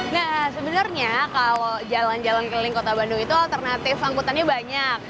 nah sebenarnya kalau jalan jalan keliling kota bandung itu alternatif angkutannya banyak